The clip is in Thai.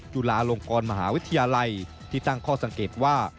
จุฬาลงกรมหาวิทยาลัยที่ตั้งข้อสังเกตว่า